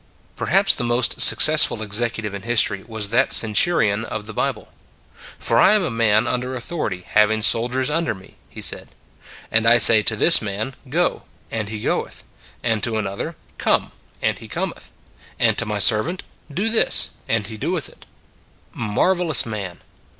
Perhaps the most successful executive in history was that centurion of the Bible. " For I am a man under authority, hav ing soldiers under me," he said. " And I say to this man go, and he goeth; and to another, come, and he cometh; and to my servant, do this, and he doeth it." Marvelous man!